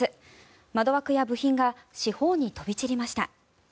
窓枠や部品が四方に飛び散りました。